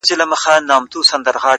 ما او تا د وخت له ښايستو سره راوتي يـو؛